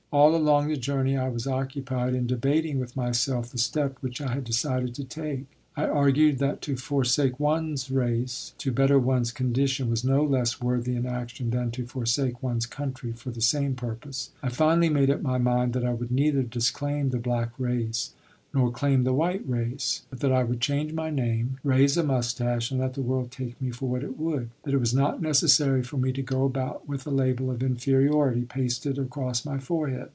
All along the journey I was occupied in debating with myself the step which I had decided to take. I argued that to forsake one's race to better one's condition was no less worthy an action than to forsake one's country for the same purpose. I finally made up my mind that I would neither disclaim the black race nor claim the white race; but that I would change my name, raise a mustache, and let the world take me for what it would; that it was not necessary for me to go about with a label of inferiority pasted across my forehead.